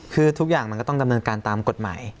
คือทุกอย่างมันก็ต้องดำเนินการตามกฎหมาย